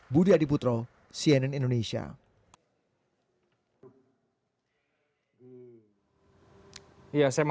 budi adiputro cnn indonesia